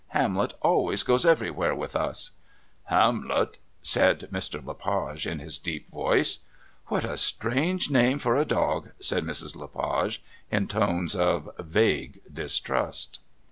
Hamlet always goes everywhere with us." "Hamlet!" said Mr. Le Page in his deep bass voice. "What a strange name for a dog!" said Mrs. Le Page in tones of vague distrust.